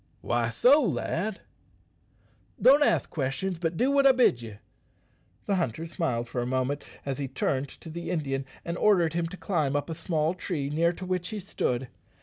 "Why so, lad?" "Don't ask questions, but do what I bid ye." The hunter smiled for a moment as he turned to the Indian, and ordered him to climb up a small tree near to which he stood.